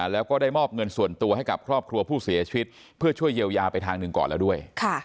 แล้วก็ได้มอบเงินส่วนตัวให้กับครอบครัวผู้เสียชีวิตเพื่อช่วยเยียวยาไปทางหนึ่งก่อนแล้วด้วย